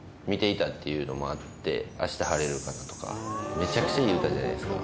めちゃくちゃいい歌じゃないですか。